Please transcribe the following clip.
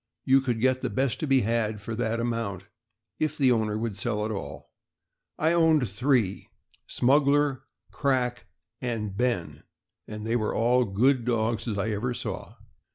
You could get the best to be had for that amount, if the owner would sell at all. I owned three — Smuggler, Crack, and Ben— and they were all as good dogs as I ever saw.